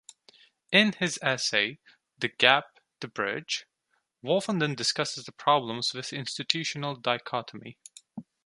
In his essay "The Gap-The Bridge", Wolfenden discusses the problems with institutional dichotomy.